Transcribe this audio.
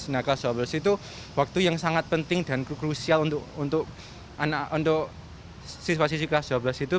nah kelas dua belas itu waktu yang sangat penting dan krusial untuk anak untuk siswa siswa kelas dua belas itu